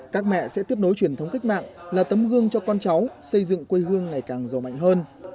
các mẹ sẽ tiếp nối truyền thống cách mạng là tấm gương cho con cháu xây dựng quê hương ngày càng giàu mạnh hơn